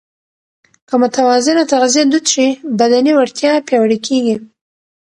که متوازنه تغذیه دود شي، بدني وړتیا پیاوړې کېږي.